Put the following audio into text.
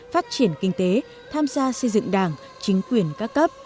phát triển kinh tế tham gia xây dựng đảng chính quyền các cấp